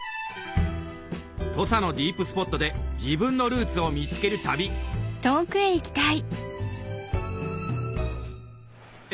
土佐のディープスポットで自分のルーツを見つける旅え